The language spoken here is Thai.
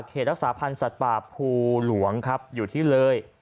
รักษาพันธ์สัตว์ป่าภูหลวงครับอยู่ที่เลย